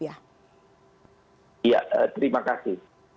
ya terima kasih